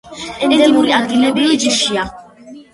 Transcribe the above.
ენდემური, ადგილობრივი ჯიშია.